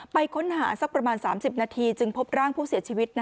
ไปค้นหาสักประมาณ๓๐นาทีจึงพบร่างผู้เสียชีวิต